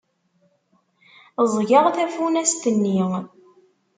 Ẓẓgeɣ tafunast-nni.